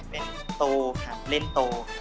เป็นโตขับเล่นโต